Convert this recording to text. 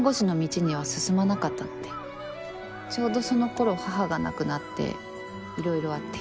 ちょうどそのころ母が亡くなっていろいろあって。